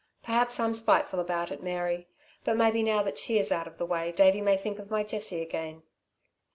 Perhaps I'm spiteful about it, Mary. But maybe now that she is out of the way, Davey may think of my Jessie again."